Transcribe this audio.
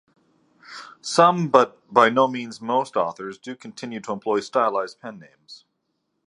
Some-but by no means most-authors do continue to employ stylized pen names.